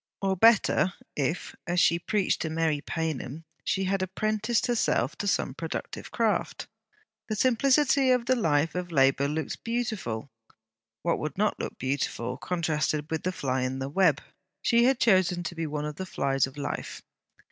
Or better, if, as she preached to Mary Paynham, she had apprenticed herself to some productive craft. The simplicity of the life of labour looked beautiful. What will not look beautiful contrasted with the fly in the web? She had chosen to be one of the flies of life.